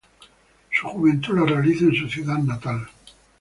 Su juventud la realiza en su ciudad natal.